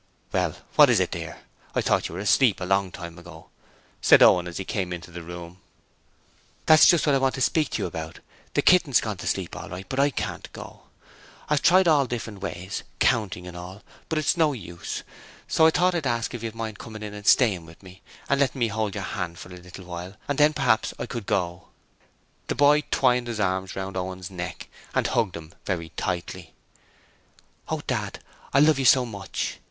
'Well, what is it dear? I thought you were asleep a long time ago,' said Owen as he came into the room. 'That's just what I want to speak to you about: the kitten's gone to sleep all right, but I can't go. I've tried all different ways, counting and all, but it's no use, so I thought I'd ask you if you'd mind coming and staying with me, and letting me hold you hand for a little while and then p'raps I could go.' The boy twined his arms round Owen's neck and hugged him very tightly. 'Oh, Dad, I love you so much!'